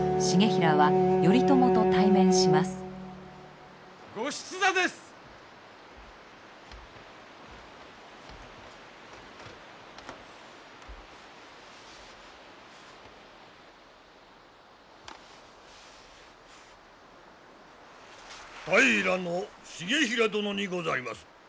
平重衡殿にございます。